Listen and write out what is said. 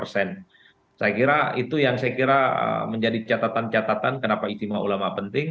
saya kira itu yang saya kira menjadi catatan catatan kenapa istimewa ulama penting